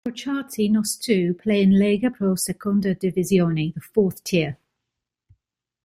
Crociati Noceto play in Lega Pro Seconda Divisione, the fourth tier.